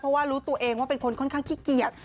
เพราะว่ารู้ตัวเองว่าเป็นคนค่อนข้างขี้เกียจ